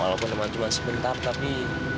walaupun memang cuma sebentar tapi